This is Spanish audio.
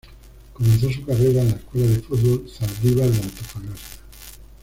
Comenzó su carrera en la Escuela de Fútbol Zaldívar de Antofagasta.